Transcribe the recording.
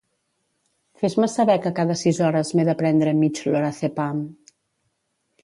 Fes-me saber que cada sis hores m'he de prendre mig Lorazepam.